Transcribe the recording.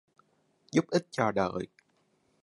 giúp ích cho đời.